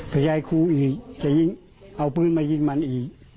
ผู้ใหญ่คูอีกจะยิงเอาพื้นมายิงมันอีก